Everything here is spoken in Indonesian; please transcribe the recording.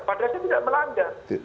padahal saya tidak melanggar